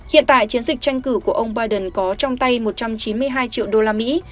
hiện tại chiến dịch tranh cử của ông biden có trong tay một trăm chín mươi hai triệu đô la mỹ